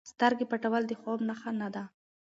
سترګې پټول د خوب نښه نه ده.